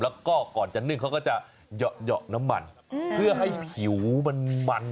แล้วก็ก่อนจะนึ่งเขาก็จะเหยาะน้ำมันเพื่อให้ผิวมันมัน